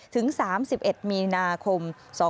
ถึง๓๑มีนาคม๒๕๖